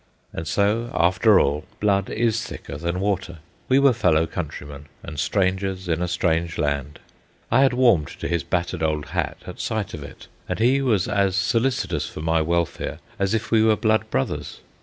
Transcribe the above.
And so, after all, blood is thicker than water. We were fellow countrymen and strangers in a strange land. I had warmed to his battered old hat at sight of it, and he was as solicitous for my welfare as if we were blood brothers.